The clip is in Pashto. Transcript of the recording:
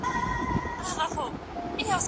تل زبون دي په وطن کي دښمنان وي